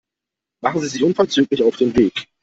Machen Sie sich unverzüglich auf den Weg.